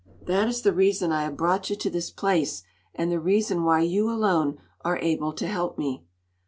That is the reason I have brought you to this place, and the reason why you alone are able to help me."